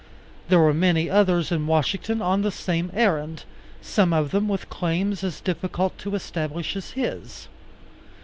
There were many others in Washington on the same errand, some of them with claims as difficult to establish as his.